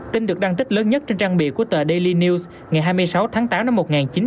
tin được đăng tích lớn nhất trên trang bịa của tờ daily news ngày hai mươi sáu tháng tám năm một nghìn chín trăm sáu mươi chín